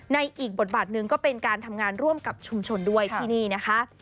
อีกบทบาทหนึ่งก็เป็นการทำงานร่วมกับชุมชนด้วยที่นี่นะคะ